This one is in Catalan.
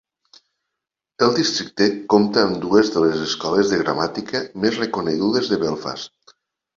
El districte compta amb dues de les escoles de gramàtica més reconegudes de Belfast.